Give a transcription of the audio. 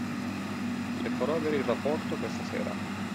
Le farò avere il rapporto questa sera.